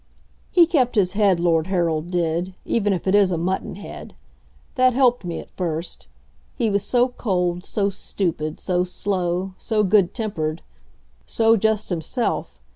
He kept his head, Lord Harold did even if it is a mutton head. That helped me at first. He was so cold, so stupid, so slow, so good tempered so just himself.